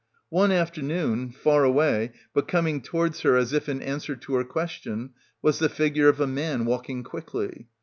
One afternoon, far away, but coming towards her as if in answer to her question, was the figure of a man walking quickly.